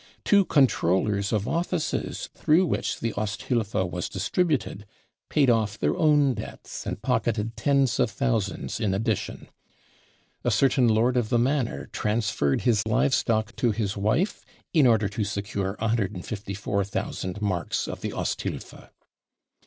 Two controllers of offices through which the Osthilfe was* distributed, paid off their own debts and pocketed tens of thousands in addition. A certain lord of the manor trans * ferred his livestock to his wife, in order to secure 154,000 marks of the Osthilfe